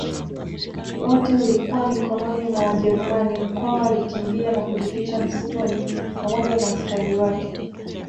wote ulikuwa mikononi mwa wajerumani Mkwawa alikimbia na kujificha msituni pamoja na askari wake